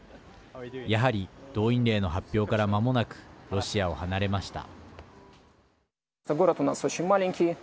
やはり、動員令の発表からまもなくロシアを離れました。